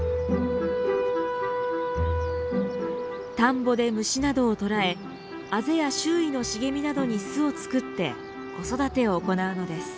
田んぼで虫などを捕らえあぜや周囲の茂みなどに巣を作って子育てを行うのです。